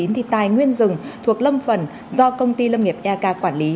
thì tài nguyên rừng thuộc lâm phần do công ty lâm nghiệp eak quản lý